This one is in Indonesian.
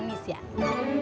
dia mau kesini lagi